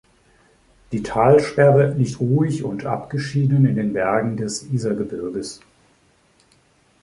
Die Talsperre liegt ruhig und abgeschieden in den Bergen des Isergebirges.